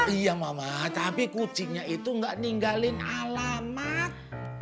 iya mama tapi kucingnya itu nggak ninggalin alamat